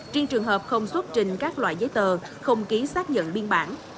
trên trường hợp không xuất trình các loại giấy tờ không ký xác nhận biên bản